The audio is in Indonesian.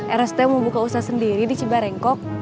eros tuh mau buka usaha sendiri di cibarengko